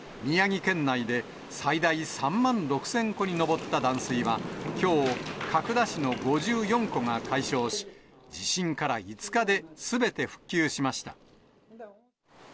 宮城県内で最大３万６０００戸に上った断水はきょう、角田市の５４戸が解消し、地震から５日ですべて復旧しました。